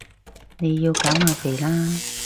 你要減下肥啦